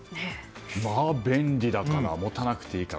まあ、便利だから。持たなくていいから。